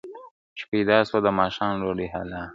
چي پیدا سوه د ماښام ډوډۍ حلاله !.